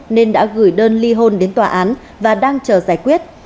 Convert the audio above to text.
nên đã gửi đơn ly hôn đến tòa án và đang chờ giải quyết